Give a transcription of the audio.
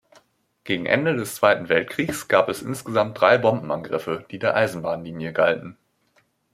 Gegen Ende des Zweiten Weltkrieges gab es insgesamt drei Bombenangriffe, die der Eisenbahnlinie galten.